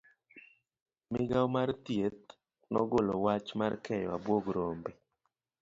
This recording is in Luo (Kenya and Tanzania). Migao mar thieth nogolo wach mar keyo abuog rombe.